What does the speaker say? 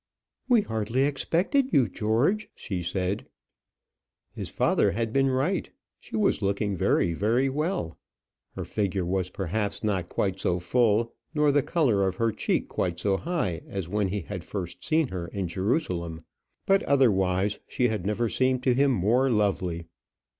"We hardly expected you, George," she said. His father had been right. She was looking well, very well. Her figure was perhaps not quite so full, nor the colour in her cheek quite so high as when he had first seen her in Jerusalem; but, otherwise, she had never seemed to him more lovely.